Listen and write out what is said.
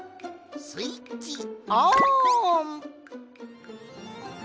スイッチオン！